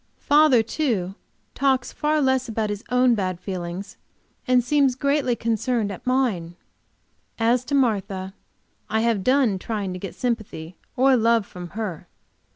Father, too, talks far less about his own bad feelings, and seems greatly concerned at mine. As to Martha I have done trying to get sympathy or love from her.